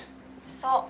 そう。